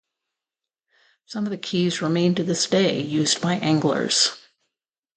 Some of the quays remain to this day, used by anglers.